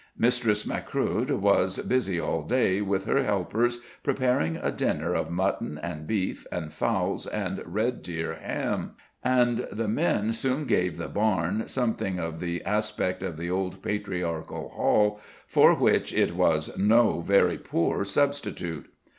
Mistress Macruadh was busy all day with her helpers, preparing a dinner of mutton, and beef, and fowls, and red deer ham; and the men soon gave the barn something of the aspect of the old patriarchal hall for which it was no very poor substitute.